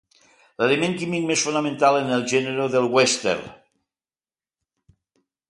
L'element químic més fonamental en el gènere del Western.